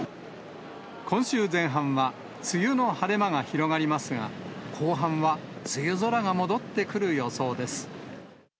今週前半は梅雨の晴れ間が広がりますが、後半は梅雨空が戻ってくる予想です。